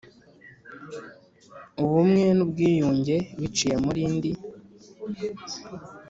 ubumwe n ubwiyunge biciye muri Ndi